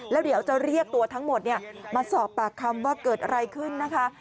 แล้วเดี๋ยวจะเรียกตัวทั้งหมดมาสอบปากคำว่าเกิดอะไรขึ้นนะคะ